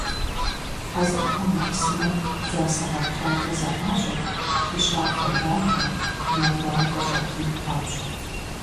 Хьэзыр хъуа махъсымэр дзасэ гъэплъакIэ зэIащIэрт, дыщафэ дахэ, мэ гуакIуэ щIэтын папщIэ.